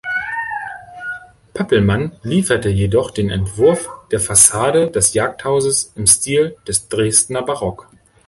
Pöppelmann lieferte jedoch den Entwurf der Fassade des Jagdhauses im Stil des Dresdner Barock.